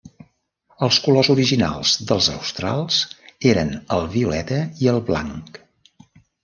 Els colors originals dels Australs eren el violeta i el blanc.